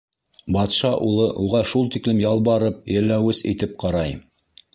Батша улы уға шул тиклем ялбарып, йәлләүес итеп ҡарай.